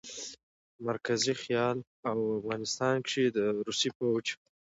مرکزي خيال او افغانستان کښې د روسي فوج